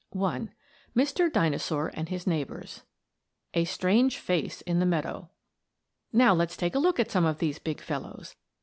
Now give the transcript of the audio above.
I. MR. DINOSAUR AND HIS NEIGHBORS A STRANGE FACE IN THE MEADOW Now let's take a look at some of these big fellows.